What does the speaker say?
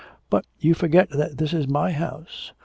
'But you forget that this is my house.